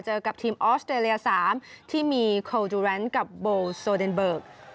กับทีมออสเตรเลีย๓ที่มีโคลจูแรนด์กับโบโซเดนเบิร์ก